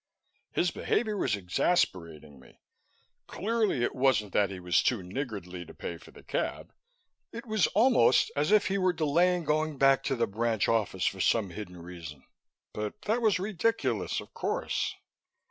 His behavior was exasperating me. Clearly it wasn't that he was too niggardly to pay for the cab; it was almost as if he were delaying going back to the branch office for some hidden reason. But that was ridiculous, of course.